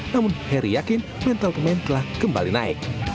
namun heri yakin mental pemain telah kembali naik